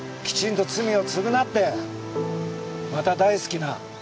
きちんと罪を償ってまた大好きな